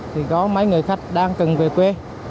thì có mấy người khách đang cần về quê